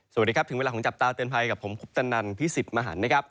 สวัสดีครับถึงเวลาของจับตาเตือนภัยกับผมคุปตนันพี่สิทธิ์มหันนะครับ